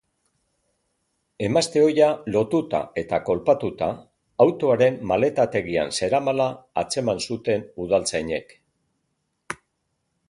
Emazte ohia, lotuta eta kolpatuta, autoaren maletategian zeramala atzeman zuten udaltzainek.